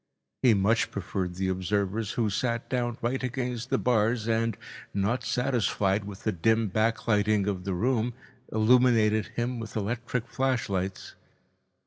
He much preferred the observers who sat down right against the bars and, not satisfied with the dim backlighting of the room, illuminated him with electric flashlights.